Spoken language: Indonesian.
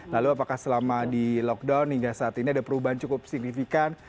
lalu apakah selama di lockdown hingga saat ini ada perubahan cukup signifikan